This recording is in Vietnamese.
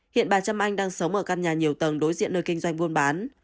hiện bà trâm anh đang sống ở căn nhà nhiều tầng đối diện nơi kinh doanh buôn bán